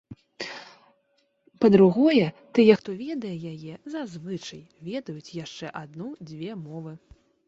Па-другое, тыя, хто ведае яе, зазвычай ведаюць яшчэ адну-дзве мовы.